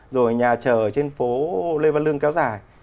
rồi nhà chờ trên phố lê văn lương kéo dài